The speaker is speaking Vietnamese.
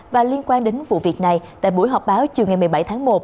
và liên quan đến vụ việc này tại buổi họp báo chiều ngày một mươi bảy tháng một